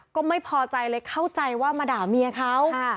ก็ไม่พอใจเลยเข้าใจว่ามาด่าเมียเขา